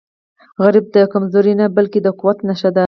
غریب د کمزورۍ نه، بلکې د قوت نښه ده